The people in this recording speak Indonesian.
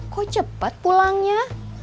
kok cepat pulangnya